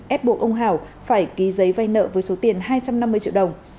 ép buộc ông hảo phải ký giấy vay nợ với số tiền hai trăm năm mươi triệu đồng